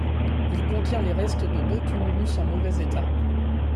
Il contient les restes de deux tumulus en mauvais état.